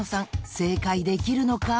正解できるのか？］